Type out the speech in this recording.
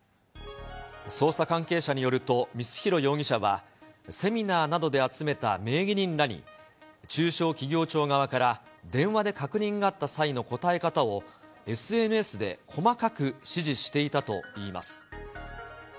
捜査関係者によると、光弘容疑者は、セミナーなどで集めた名義人らに、中小企業庁側から電話で確認があった際の答え方をＳＮＳで細かく指示していたといいます。